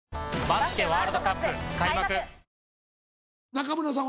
中村さん